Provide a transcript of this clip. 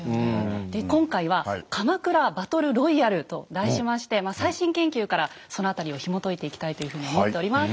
で今回は「鎌倉バトルロイヤル」と題しまして最新研究からその辺りをひもといていきたいというふうに思っております。